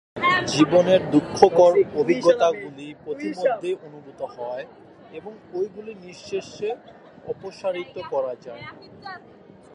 জীবনের দুঃখকর অভিজ্ঞতাগুলি পথিমধ্যেই অনুভূত হয়, এবং ঐগুলি নিঃশেষে অপসারিত করা যায়।